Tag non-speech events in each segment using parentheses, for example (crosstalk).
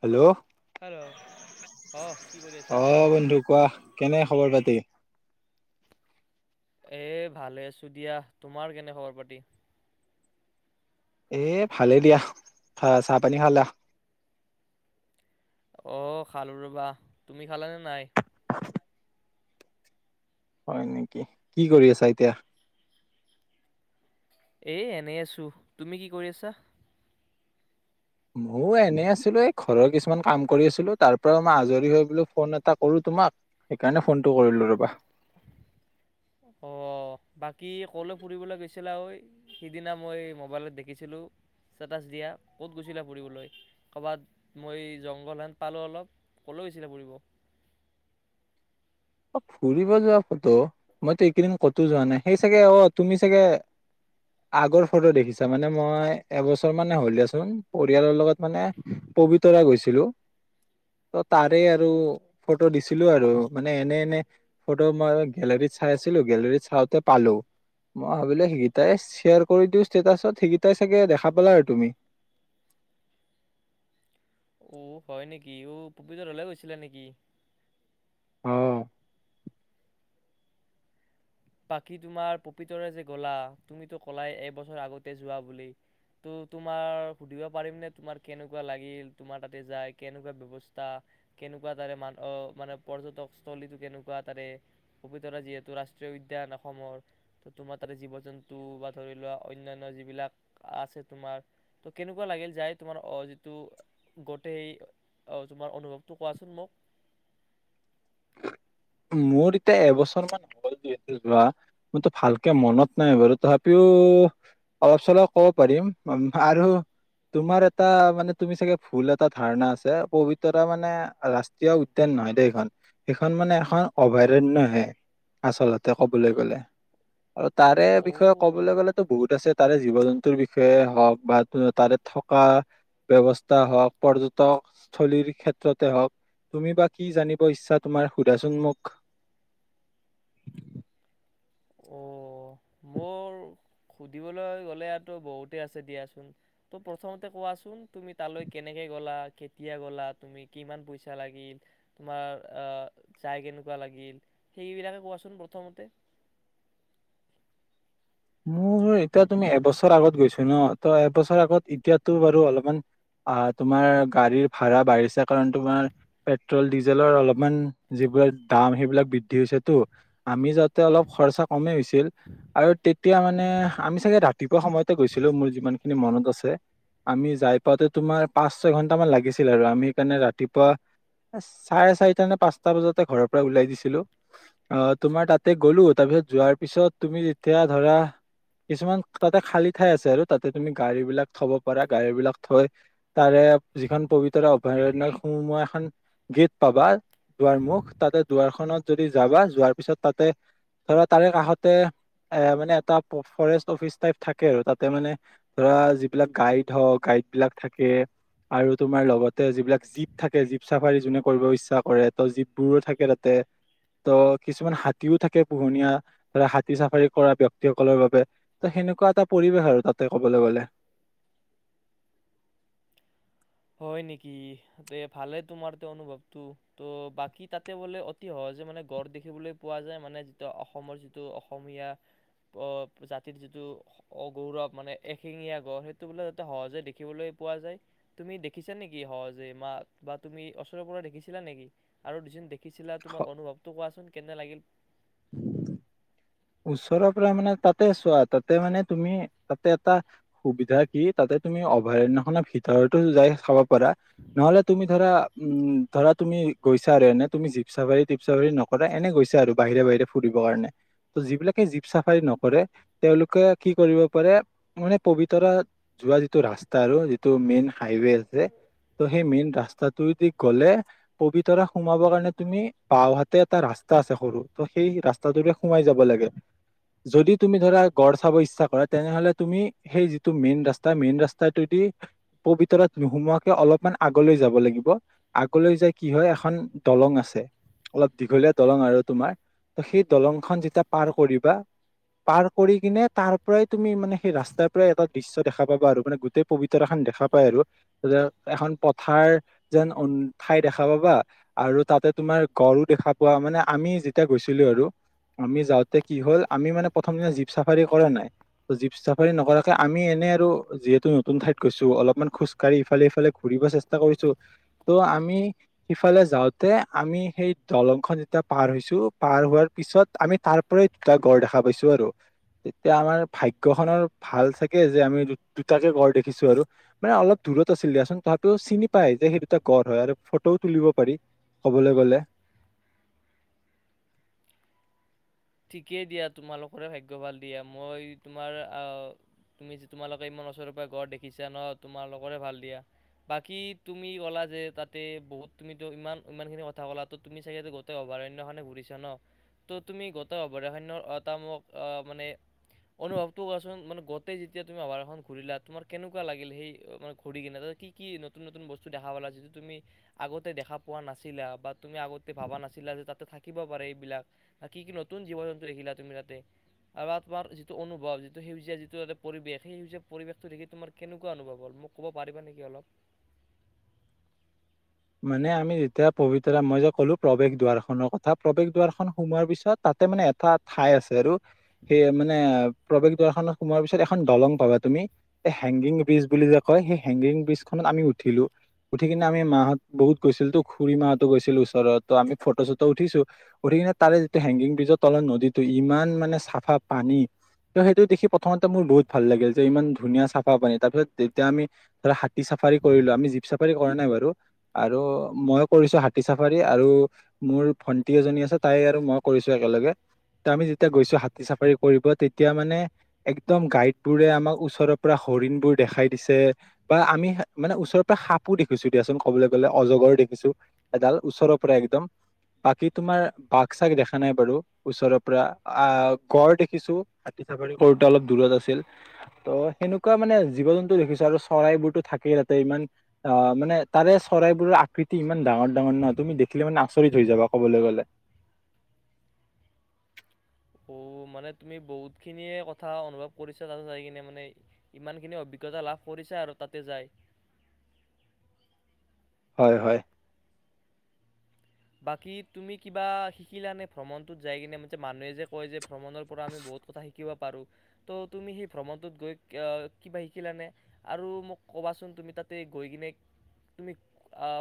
Hello. Hello অ। অ', বন্ধু কোৱা কেনে? খবৰ পাতি? এ ভালে আছো দিয়া। তোমাৰ কেনে খবৰ পাতি? এ ভালেই দিয়া। চাহ পানী খালা? অ', খালো ৰ'বা। তুমি খালাানে নাই? হয়, নেকি? কি কৰি আছা এতিয়া? এ এনেই আছো। তুমি কি কৰি আছা? ময়ো এনে আছিলো এই ঘৰৰ কিছুমান কাম কৰি আছিলো তাৰ পৰা মই আজৰি হৈ বোলো ফোন এটা কৰো তোমাক। সেইকাৰণে ফোনটো কৰিলো ৰ'বা। অ', বাকী ক'লৈ ফুৰিবলৈ গৈছিলা ঐ? সিদিনা মই মোবাইলত দেখিছিলোঁ ষ্টেটাছ দিয়া। ক'ত গৈছিলে ফুৰিবলৈ? ক'ৰবাত মই জংঘলহেন পালোঁ অলপ ক'লৈ গৈছিলে ফুৰিব? ফুৰিব যোৱা ফটো মইতো এইকেইদিন ক'তো যোৱা নাই সেই চাগে অ', তুমি চাগে আগৰ ফটো দেখিছা মানে মই এবছৰ মানে হ'লেই চোন পৰিয়ালৰ লগত মানে পবিতৰা গৈছিলো। ত তাৰে আৰু ফটো দিছিলো আৰু মা মানে এনে, এনে ফটো মই গেলেৰীত চাই আছিলো গেলেৰীত চাওঁতে পালো। মই ভাবিলো সেইকেইটাই শ্বেয়াৰ কৰি দিওঁ ষ্টেটাচত সেইকেইটাই চাগে দেখা পালা আৰু তুমি। অ', হয় নেকি? অ', পবিতৰালে গৈছিলা নেকি? অহ। বাকী তোমাৰ পবিতৰা যে, গ'লা তুমিতো কলাই এবছৰ আগতে যোৱা বুলি, ত তোমাৰ সুধিব পাৰিম নে? তোমাৰ কেনেকুৱা লাগিল? তোমাৰ তাতে যায় কেনেকুৱা ব্যৱস্থা? কেনেকুৱা তাৰে মান? অ', মানে পৰ্যটকস্থলীটো কেনেকুৱা তাৰে? পবিতৰা যিহেতু ৰা ষ্ট্ৰীয় উদ্যান অসমৰ। ত তোমাৰ তাৰে জীৱ জন্তু বা ধৰি লোৱা অন্যান্য যিবিলাক আছে তোমাৰ ত কেনেকুৱা লাগিল যায়? তোমাৰ আহ যিটো গোটেই স আহ তোমাৰ অনুভৱটো কোৱাচোন মোক? মোৰ এতিয়া এবছৰ মান হ'ল, যিহেতু যোৱা মইটো ভালকে মনত নাই বাৰু তথাপিও অলপ চলপ ক'ব পাৰিম আৰু তোমাৰ এটা মানে তুমি চাগে ভুল এটা ধাৰণা আছে পবিতৰা মানে ৰাষ্ট্ৰীয় উদ্যান নহয় দেই সেইখন, সেইখন মানে অভয়াৰণ্যহে। আচলতে ক'বলৈ গ'লে আৰু তাৰে বিষয়ে অ' কবলৈ গ'লেতো বহুত আছে তাৰে জীৱ জন্তুৰ বিষয়ে হওঁক বা তাৰে থকা ব্যৱস্থা হওঁক পৰ্যটকস্থলীৰ ক্ষেত্ৰতে হওঁক। তুমি বা কি জানিব ইচ্ছা? তোমাৰ সু দিয়াচোন মোক। অ' মোৰ সুধিবলৈ গ'লে আৰুটো বহুতে আছে দিয়াচোন। ত' প্ৰথমতে কোৱাচোন তুমি তালৈ কেনেকে গ'লা? কেতিয়া গ'লা? তুমি কিমান পইচা লাগিল? তোমাৰ আহ যাই কেনেকুৱা লাগিল? সেইবিলাকে কোৱাচোন প্ৰথমতে। মোৰ এতিয়া তুমি এবছৰ আগত গৈছো ন ত এবছৰ আগত এতিয়াতো বাৰু অলপমান আহ তোমাৰ গাড়ীৰ ভা়ড়া বাঢ়িছে কাৰণ তোমাৰ পেট্ৰল ডিজেলৰ অলপমান যিবিলাক দাম সেইবিলাক বৃদ্ধি হৈছেতো, আমি যাওঁতে অলপ খৰচা কমেই হৈছিল আৰু তেতি তেতিয়া মানে আমি চাগে ৰাতিপুৱা সময়তে গৈছিলো মোৰ যিমান খিনি মনত আছে আমি যায় পাওঁতে তোমাৰ পাঁচ, ছয় ঘন্টামান লাগিছিল আৰু আমি সেইকাৰণে ৰাতিপুৱা চাৰে চাৰিটা নে পাঁচটা বজাতে ঘৰৰ পৰা ওলাই দিছিলো। আহ তোমাৰ তাতে গলো তাৰপিছত যোৱাৰ পিছত তুমি যেতিয়া ধৰা কিছুমান তাতে খালী ঠাই আছে আৰু তাতে তুমি গাড়ী বিলাক থব পাৰা গাড়ী বিলাক থৈ তাৰে যিখন পবিত্ৰ অভয়াৰণ্য সোমোৱা এখন গেট পাবা দুৱাৰ মুখ তাতে দুৱাৰখনত যদি যাবা যোৱাৰ পিছত তাতে ধৰা তাৰে কাষতে এ মানে এটা ফৰেষ্ট অফিচ টাইপ থাকে আৰু তাতে মানে ধৰা যিবিলাক গাইড হওঁক, গাইড বিলাক থাকে আৰু তোমাৰ লগতে যিবিলাক জীপ থাকে জীপ চাফাৰী যোনে কৰিব ইচ্ছা কৰে ত জীপবোৰো থাকে তাতে। ত' কিছুমান হাতীও থাকে পোহনীয়া ধৰা হাতী চাফাৰী কৰা ব্যক্তিসকলৰ বাবে ত সেনেকুৱা এটা পৰিৱেশ আৰু তাতে ক'বলৈ গ'লে। হয়, নেকি? তে ভালে তোমাৰ অনুভৱটো ত বাকী তাতে বোলে অতি সহজে মানে গড় দেখিবলৈ পোৱা যায় মানে যিটো অসমৰ যিটো অসমীয়া জাতিৰ যিটো গৌৰৱ মানে এশিঙীয়া গড় সেইটো বোলে তাতে সহজে দেখিবলৈ পোৱা যায়। তুমি দেখিছা নেকি সহজে? মা বা তুমি ওচৰৰ পৰা দেখিছিলা নেকি? আৰু (unintelligible) দেখিছিলা তোমাৰ অনুভৱটো কোৱাচোন? কে ন (unintelligible) লাগিল উম ওচৰৰ পৰা মানে তাতে চোৱা তাতে মানে তুমি তাতে এটা সুবিধা কি তাতে তুমি অভয়াৰণয়খনৰ ভিতৰতো যাই খাব পাৰা নহলে তুমি ধৰা উম ধৰা তুমি গৈছা আৰু এনে তুমি জীপচাফাৰী টিপচাফাৰী নকৰা এনে গৈছা আৰু বাহিৰে বাহিৰে ফুৰিব কাৰণে ত যিবিলাকে জীপ চাফাৰী নকৰে তেওঁলোকে কি কৰিব পাৰে মানে পবিতৰা যোৱা যিটো ৰাস্তা আৰু যিটো মেইন হাইৱে আছে ত সেই মেইন ৰাস্তাটোদি গলে পবিতৰা সোমাব কাৰণে তুমি বাও হাতে এটা ৰাস্তা আছে সৰু ত সেই ৰাস্তাটো সমাই যাব যদি তুমি ধৰা গড় চাব ইচ্ছা কৰা তেনেহলে তুমি সেই যিটো মেইন ৰাস্তা মেইন ৰাস্তাটোদি পবিতৰত নোসুমোৱাকে অলপমান আগলৈ যাব লাগিব আগলৈ যাই কি হয় এখন দলং আছে অলপ দীঘলীয়া দলং আৰু তোমাৰ ত সেই দলংখন যেতিয়া পাৰ কৰিবা পাৰ কৰি কিনে তাৰ পৰাই তুমি মানে সেই ৰাস্তাৰ পৰাই এটা দৃশ্য দেখা পাবা আৰু মানে গোটেই পবিত্ৰ এখন দেখা পায় আৰু এখন পথাৰ যেন ঠাই দেখা পাবা আৰু তাতে তোমাৰ গড়ো দেখা পোৱা মানে আমি যেতিয়া গৈছিলো আৰু আমি যাওঁ তে কি হল আমি মানে প্ৰথম দিনা জীপ চাফাৰী কৰা নাই ত জীপ চাফাৰী নকৰাকে আমি এনে আৰু যিহেতু নতুন ঠাইত গৈছো অলপমান খোজ কঢ়ি ইফালে সফালে ঘুৰিব চেষ্টা কৰিছো ত' আমি সিফালে যাওঁতে আমি সেই দলংখন যেতিয়া পাৰ হৈছো পাৰ হোৱাৰ পিছত আমি তাৰ পৰাই দুটা গড় দেখা পাইছো আৰু তেতিয়া আমাৰ ভাগ্যয় খনৰ ভাল চাগে যে আমি দুটাকে গড় দেখিছো আৰু মানে অলপ দূৰত আছিল দিয়াচোন তথাতোও চিনি পায় যে সেই দুটা গড় হয় আৰু ফটোও তুলিব পাৰি কবলৈ গলে ঠিকেই দিয়া তোমালোকৰে ভাগ্যভাল দিয়া মই তোমাৰ তুমি যে তোমালোকে ইমান ওচৰৰ পৰা গড় দেখিছা ন তোমালোকৰে ভাল দিয়া বাকী তুমি ক'লা যে তাতে বহুত তুমো ইমান ইমান খিনি কথা কলা ত তুমি চাগ গোটেই অভয়াৰণ্যখনে ঘুৰিছা ন ত তুমি অভয়াৰ্য এটা মোক অ মানে অনুভৱটোও কোৱাচোন মানে গোটেই যেতিয়া তুমি অভাৰখন ঘূৰিলা তোমাৰ কেনেকুৱা লাগিল সেই ঘুৰি কিনে ত কি কি নতুন নতুন বস্তু দেখা পালা যিটো তুমি আগতে দেখা পোৱা নাছিলা বা তুমি আগতে ভাবা নাছিলা যে তাতে থাকিব পাৰে এইবিলাক বা কি কি নতুন নতুন জীৱ জন্তু দেখিলা তুমি তাতে আৰু তোমাৰ যিটো অনুভৱ যিটো সেউজীয়া যিটো ত পৰিৱেশ সেই সেউজীয়া পৰিৱেশটো দেখি তোমাৰ কেনেকুৱা অনুভৱ হ'ল মোক ক'ব পাৰিবা নেকি অলপ মানে আমি যেতিয়া পবিত্ৰ মই যে ক'লো প্ৰৱেশ দাৰ খনৰ কথা প্ৰৱেশ দুৱাৰখনন সোমোৱাৰ পিছত তাতে মানে এটা ঠাই আছে আৰু সেই মানে প্ৰবেশ খত সোমোৱাৰ পিছত এখন দলং পাবা তুমি হেংগিং ব্ৰিজ বুলি যে কয় সেই হেংগিং ব্ৰিজখনত আমি উঠিলো উঠি কিনে আমি মাহত বহুত গৈছিল তো খুুৰী মাহতো গৈছিল ওচৰত ত আমি ফটো চটো উঠিছো উঠি কিনে তাৰে যিটো হেংগিং ব্ৰিজৰ তলত নদীতটো ইমান মানে চাফা পানী ত সেইটো দেখি প্ৰথমতে মোৰ বহুত ভাল লাগিল যে ইমান ধুনীয়া চাফা পানী তাৰ পিছত যেতিয়া আমি ধৰা হাতী চাফাৰী কৰিলো আমি জীপ চাফাৰ কৰা নাই বাৰু আৰু মই কৰিছো হাতী চাফাৰী আৰু মোৰ ভন্টি এজনী আছে তাই আৰু মই কৰিছো একেলগে ত আমি যেতিয়া গৈছো হাতী চাফাৰী কৰিব তেতিয়া মানে একদম গাইড বোৰে আমাক ওচৰৰ পৰা হৰিণ বোৰ দেখাই দিছে বা আমি মানে ওচৰৰ পৰা সাপো দেখিছো দিয়াচোন ক'বলৈ গলে অজগৰ দেখিছো এডাল ওচৰৰ পৰা একদম বাকী তোমাৰ বাঘ চাগ দেখা নাই বাৰু ওচৰৰ পৰা আহ গড় দেখিছো হাতী চফাৰী গৰুটো অলপ দূৰত আছিল ত সেনেকুৱা মানে জীৱ জন্তু দেখিছো আৰু চৰাইবোৰতো থাকেই তাতে ইমান আহ মানে তাৰে চৰাইবোৰৰ আকৃতি ইমান ডাঙৰ ডাঙৰ নহয় তুমি দেখিলে মানে আচৰিত হৈ যাবা কবলৈ গলে অ মানে তুমি বহুত খিনিয়ে কথা অনুভৱ কৰিছা তাতে যাই কিনে মানে ইমান খিনি অভিজ্ঞতা লাভ কৰিছা আৰু তাতে যাই হয় হয় বাকী তুমি কিবা শিকিলা নে ভ্ৰমণটোত যাই কিনে মানুহে যে কয় যে ভ্ৰণৰ পৰা আমি বহুত কথা শিকঁ শিকিব পাৰোঁ। তো তুমি সেই ভ্ৰমণটোত গৈ কিবা শিকিলানে আৰু মোক ক'বাচোন তুমি তাতে গৈ কিনে তুমি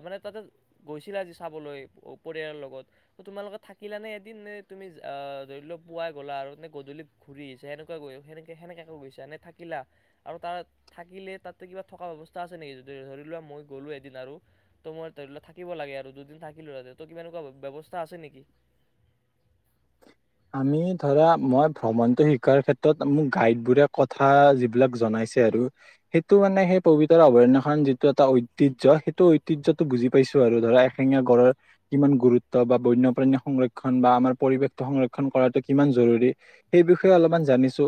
মানে তাতে গৈছিলা আজি চাবলৈ অ পৰিয়ালৰ লগত ত তোমালোকে থাকিলা নে এদিন নে তুমি ধৰি লোৱা পুৱাই গলা আৰু নে গধূলি ঘূৰি আহিছো সেনেুৱা গৈ সেনে সেনেকোকে গৈছা নে থাকিলা আৰু তাত থাকিলে তাতো কিবা থকা ব্যৱস্থা আছে নেকি ধৰি লোৱা মই গ'লো এদিন আৰু ত' মই ধৰি লোৱা থাকিব লাগে আৰু দুদিন থাকিলো আৰু ত কিবা এনেকুৱা ব্যৱস্থা আছে নেকি? আমি ধৰা মই ভ্ৰমণটো শিকাৰ ক্ষেত্ৰত মোক গাইড বোৰে কথা যিবিলাক জনাইছে আৰু সেইটো মানে সেই পবিত্ৰ অভয়াৰণ্যয়খন যিটো এটা ঐতিহ্যৰ সেইটো ঐতিহ্য টো বুজি পাইছো আৰু ধৰা এশিঙিয়া গড়ৰ কিমান গুৰুত্ব বা বন্যপ্ৰাণী সংৰক্ষন বা আমাৰ পৰিৱেশটো সংৰক্ষ কৰা কিমান জৰুৰী সেই বিষয়ে অলপমান জানিছো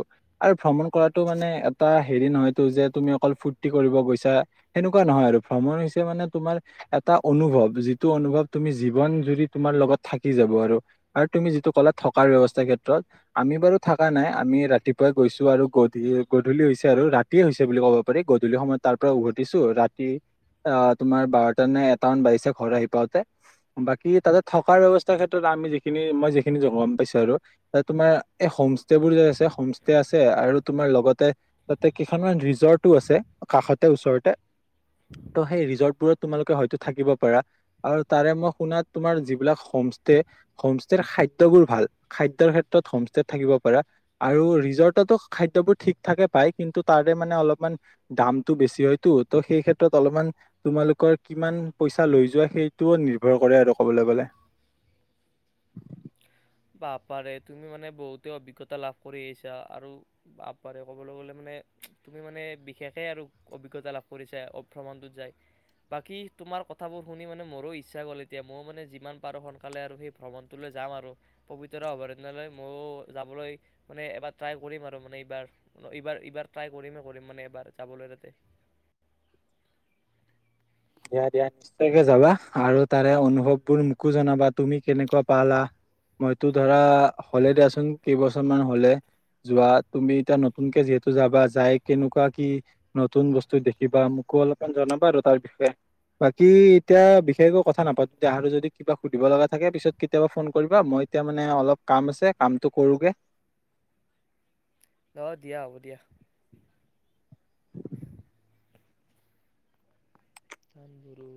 আৰু ভ্ৰমণ কৰাটো মানে এটা হেৰি নহয়তো যে তুমি অকল ফূৰ্তি কৰিব গৈছা সেনেকুৱা নহয় আৰু ভ্ৰমণ হৈছে মানে তোমাৰ এটা অনুভৱ যিটো অনুভৱ তুমি জীৱন জুৰি তোমাৰ লগত থাকি যাব আৰু আৰু তুমি যিটো কলাত থকাৰ ব্যৱস্থাৰ ক্ষেত্ৰত আমি বাৰু থকা নাই আমি ৰাতিপুৱাই গৈছো আৰু গধূ গধূলি হৈছে আৰু ৰাতিয়ে হৈছে বুলি ক'ব পাৰি গধূলি সময়ত তাৰ পৰা উভতিছো ৰাতি আহ তোমাৰ বাৰটা নে এটামান বাঢ়িছে ঘৰ আহি পাওঁতে বাকি তাতে থকা ব্যৱস্থাৰ ক্ষেত্ৰত আমি যিখিনি মই যিখিনি গম আৰু তা তোমাৰ এই হোমষ্টে বোৰ যে আছে হোমষ্টে আছে আৰু তোমাৰ লগতে তাতে কেইখনমান ৰিজৰ্টো আছে কাষতে ওচৰতে ত' সেই ৰিজৰ্ট বোৰত তোমালোকে হয়তো থাকিব পাৰা আৰু তাৰে মই শুনা তোমাৰ যিবিলাক হোমষ্টে হোমষ্টেৰ খা- খাদ্য বোৰ ভাল খাদ্যৰ ক্ষেত্ৰত হোমষ্টেত থাকিব পাৰা আৰু ৰিজৰ্টতো খাদ্যবোৰ ঠিক ঠাকে পায় কিন্তু তাৰে মানে অলপমান দামটো বেছি হয়তো ত' সেই ক্ষেত্ৰত অলপমান তোমালোকৰ কিমান পইচা লৈ যোৱা সেইটোও নিৰ্ভৰ কৰে আৰু ক'বলৈ গ'লে বা পাৰে তুমি মানে বহুতে অভিজ্ঞতা লাভ কৰি আহিছা আৰু বাপাৰে কবলৈ গলে মানে তুমি মানে বিশেষে আৰু অভিজ্ঞতা লাভ কৰিছা ভ্ৰমণটোত যাই বাকী তোমাৰ কথাবোৰ শুনি মানে মোৰো ইচ্ছা গ'ল এতিয়া ময়ও মানে যিমান পাৰো সোনকালে আৰু সেই ভ্ৰমণটোলৈ যাম আৰু পবিতৰা অভয়াৰণ্য লৈ মইয়ো যাবলৈ মানে এবাৰ ট্ৰাই কৰিম আৰু মানে এইবাৰ এইবাৰ এইবাৰ ট্ৰাই কৰিমে কৰিম মানে এবাৰ যাবলৈ তাতে দিয়া দিয়া নিশ্চয়কে যাবা আৰু তাৰে অনুভৱ বোৰ মোকো জনাবা তুমি কেনেকুৱা পালা মইতো ধৰা হলে দিয়াচোন কেইবছৰ মান হ'লে যোৱা তুমি এতিয়া নতুনকে যিহেতু যাবা যাই কেনেকুৱা কি নতুন বস্তু দেখিবা মোকো অলপমান জনাবা আৰু তাৰ বিষয়ে বাকী এতিয়া বিশেষকৈ কথা নাপাতো দে আৰু যদি কিবা সুধিব লগা থাকে পিছত কেতিয়াবা ফোন কৰিবা মই এতিয়া মানে অলপ কাম আছে কামটো কৰোগে অ দিয়া হ'ব দিয়া চান বৰু